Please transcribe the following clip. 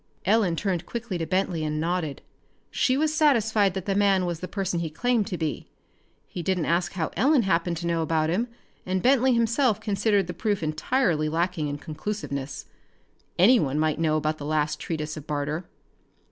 '" Ellen turned quickly to Bentley and nodded. She was satisfied that the man was the person he claimed to be. He didn't ask how Ellen happened to know about him, and Bentley himself considered the proof entirely lacking in conclusiveness. Anyone might know about the last treatise of Barter.